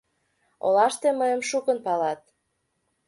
Олаште мыйым шукын палат.